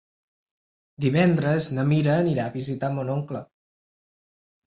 Divendres na Mira anirà a visitar mon oncle.